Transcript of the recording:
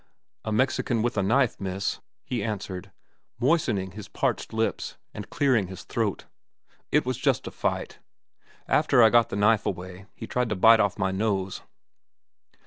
"A Mexican with a knife, miss," he answered, moistening his parched lips and clearing his throat. "It was just a fight. After I got the knife away, he tried to bite off my nose."